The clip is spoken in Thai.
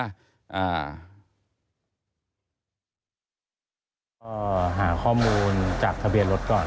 ก็หาข้อมูลจากทะเบียนรถก่อน